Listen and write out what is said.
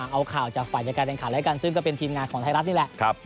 เอาข่าวจากฝ่ายจัดการแข่งขันแล้วกันซึ่งก็เป็นทีมงานของไทยรัฐนี่แหละ